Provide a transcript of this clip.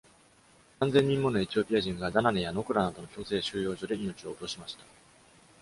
何千人ものエチオピア人がダナネやノクラなどの強制収容所で命を落としました。